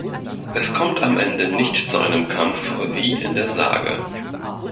Es kommt am Ende nicht zu einem Kampf wie in der Sage.